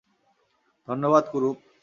ধন্যবাদ, কুরুপ।